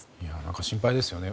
心配ですよね。